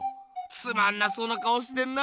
つまんなそうな顔してんな。